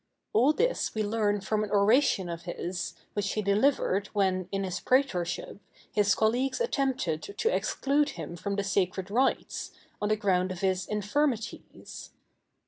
All this we learn from an oration of his, which he delivered when, in his prætorship, his colleagues attempted to exclude him from the sacred rites, on the ground of his infirmities.